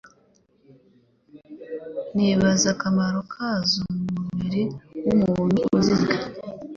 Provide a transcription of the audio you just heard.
ntibazi akamaro kazo mu mubiri w'umuntu uzirya.